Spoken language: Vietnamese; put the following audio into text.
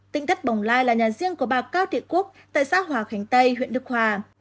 tinh thất bồng lai là nhà riêng của bà cao thị quốc tại xã hòa khánh tây huyện đức hòa